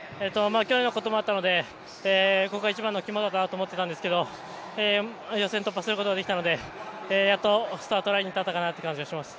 去年のこともあったのでここが一番の肝だなと思ってたんですけど、予選突破することができたのでやっとスタートラインに立ったかなという感じがします。